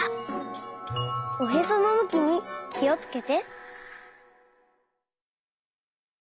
おへそのむきにきをつけて。